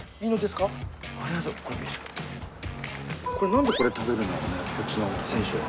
何でこれ食べるんだろうねこっちの選手は。